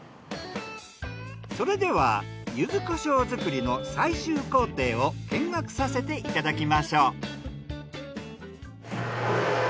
それでは柚子胡椒作りの最終工程を見学させていただきましょう。